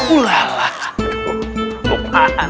ulah aduh luqman luqman